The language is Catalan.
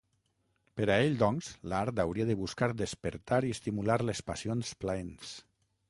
Per a ell, doncs, l'art hauria de buscar despertar i estimular les passions plaents.